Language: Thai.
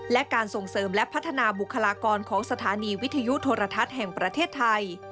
และการส่งเสริมและพัฒนาบุคลากรของสถานีวิทยุโทรทัศน์แห่งประเทศไทย